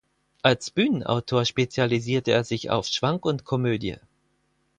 Als Bühnenautor spezialisierte er sich auf Schwank und Komödie.